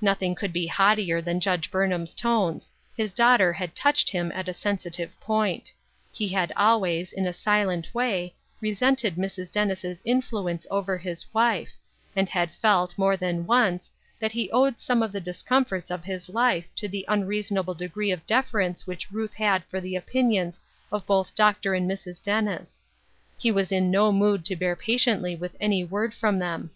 Nothing could be haughtier than Judge Burnham's tones ; his daughter had touched him at a sensitive point. He had always, in a silent way, resented Mrs. Dennis' influence over his wife, and had felt, more than once, that he owed some of the discomforts of his life to the unreason able degree of deference which Ruth had for the opinions of both Dr. and Mrs. Dennis ; he was in no mood to bear patiently with any word from them.